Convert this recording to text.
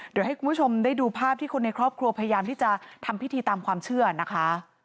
เดี๋ยวให้คุณผู้ชมได้ดูภาพที่คนในครอบครัวพยายามที่จะทำพิธีตามความเชื่อนะคะ